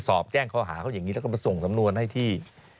แจ้งข้อหาเขาอย่างนี้แล้วก็ไปส่งสำนวนให้ที่